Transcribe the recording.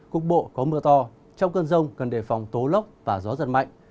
cục bộ có mưa to trong cơn rông cần đề phòng tố lốc và gió giật mạnh